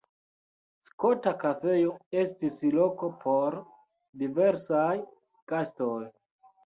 Skota Kafejo estis loko por diversaj gastoj.